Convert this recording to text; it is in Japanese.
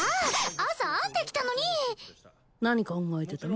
朝編んできたのに何考えてたの？